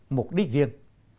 mục đích riêng